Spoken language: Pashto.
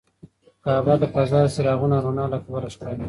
کعبه له فضا د څراغونو او رڼا له کبله ښکاري.